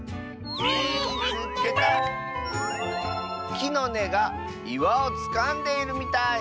「きのねがいわをつかんでいるみたい！」。